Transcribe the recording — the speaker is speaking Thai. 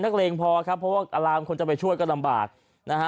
เลงพอครับเพราะว่าอารามคนจะไปช่วยก็ลำบากนะฮะ